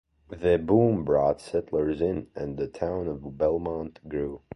The boom brought settlers in and the town of Belmont grew.